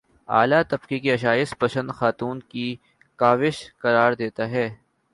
اعلیٰ طبقے کی آسائش پسند خاتون کی کاوش قرار دیتے ہیں